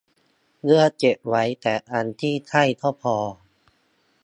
เลือกเก็บไว้แต่อันที่ใช่ก็พอ